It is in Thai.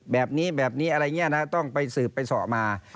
แบบนี้แบบนี้อะไรอย่างนี้นะต้องไปสืบไปสอบมา